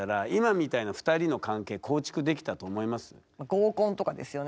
合コンとかですよね。